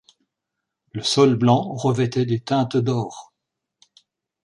Le sol blanc revêtait des teintes d’or.